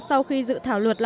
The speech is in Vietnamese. sau khi dự thảo luật